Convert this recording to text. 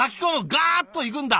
ガーッといくんだ！